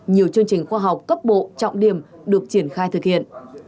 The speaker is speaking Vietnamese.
nhiều chương trình khoa học cấp bộ trọng điểm được triển khai thực hiện